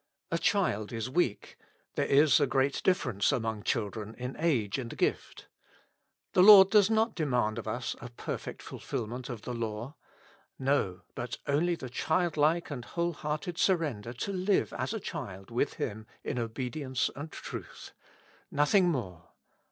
A child is weak ; there is a great difference among children in age and gift. The Lord does not demand of us a perfect fulfilment of the law ; no, but only the childlike and whole hearted surrender to live as a child with Him in obedience and truth. Nothing more.